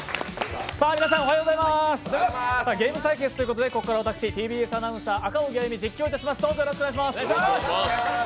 ゲーム対決ということでここから私、ＴＢＳアナウンサー・赤荻歩、実況させていただきます。